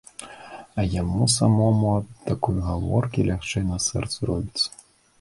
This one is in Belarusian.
А яму самому ад такой гаворкі лягчэй на сэрцы робіцца.